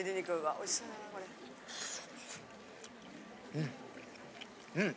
うんうん。